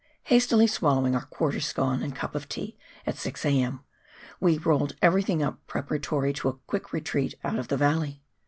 Hastily swallowing our quarter scone and cup of tea at 6 A.M., we rolled everything up preparatory to a quick retreat out of the valley.